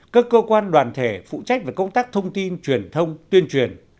các cơ quan đoàn thể phụ trách về công tác thông tin truyền thông tuyên truyền